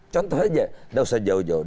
contoh aja gak usah jauh jauh